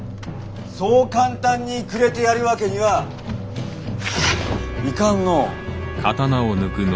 そう簡単にくれてやる訳にはいかんのう。